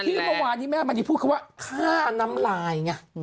ที่เมื่อวานแม่มณีพูดเขาว่าข้าน้ำลาย